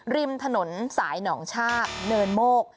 ริมถนนสายหนองชากเนินโมก